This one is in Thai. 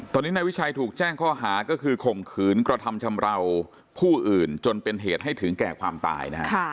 ตอนนี้นายวิชัยถูกแจ้งข้อหาก็คือข่มขืนกระทำชำราวผู้อื่นจนเป็นเหตุให้ถึงแก่ความตายนะฮะ